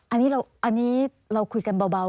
อันนี้เราคุยกันเบา